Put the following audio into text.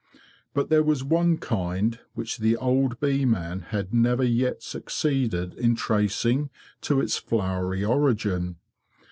But there was one kind which the old bee man had never yet succeeded in tracing to its flowery origin.